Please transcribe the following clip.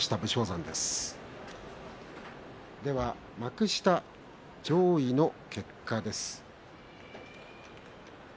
幕下上位の結果です。